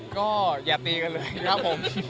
ก็อย่าตีกันเลยครับผม